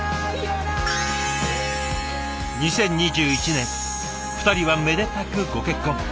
２０２１年２人はめでたくご結婚。